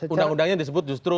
undang undangnya disebut justru